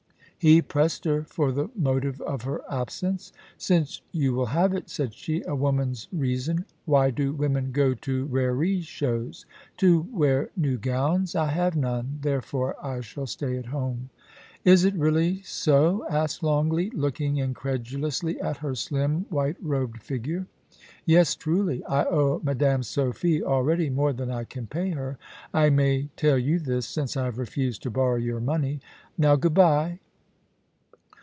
He pressed her for the motive of her absence. * Since you will have it,' said she^ *a woman's reason. Why do women go to raree shows. To wear new gowns. I have none, therefore I shall stay at home.' * Is it really so ?' asked Longleat, looking incredulously at her slim, white robed figure. * Yes, truly. I owe Madame Sophie already more than I can pay her. I may tell you this, since I have refused to borrow your money. Now, good bye.'